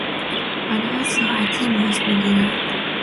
آنها ساعتی مزد میگیرند.